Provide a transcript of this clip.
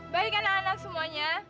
baik anak anak semuanya